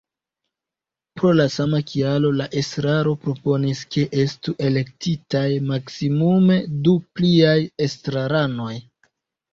Pro la sama kialo la estraro proponis, ke estu alelektitaj maksmimume du pliaj estraranoj.